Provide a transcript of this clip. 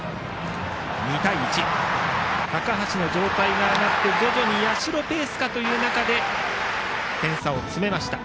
２対１、高橋の状態が上がって徐々に社ペースかという中で点差を詰めました。